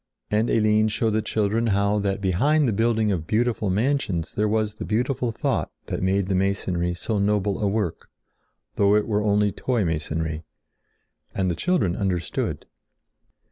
And Eline showed the children how that behind the building of beautiful mansions there was the beautiful thought that made the masonry so noble a work, though it were only toy masonry. And the children understood.